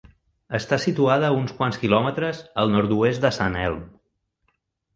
Està situada a uns quants quilòmetres al nord-oest de Sant Elm.